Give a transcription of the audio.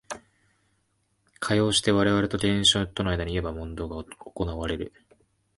かようにして我々と現象との間にいわば問答が行われる。